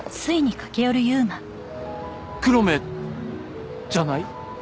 黒目じゃない？